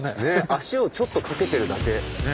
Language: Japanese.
足をちょっと掛けてるだけ。